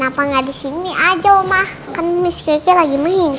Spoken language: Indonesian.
apa ada sesuatu yang gak bisa aku jelasin